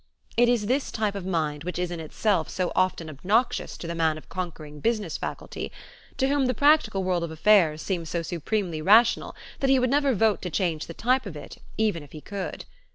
It is this type of mind which is in itself so often obnoxious to the man of conquering business faculty, to whom the practical world of affairs seems so supremely rational that he would never vote to change the type of it even if he could.